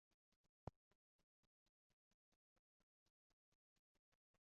Mezlonga kaj longtempa perspektivoj.